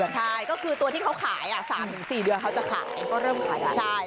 ใช่ก็คือตัวที่เค้าขาย๓๔เดือนเค้าจะขาย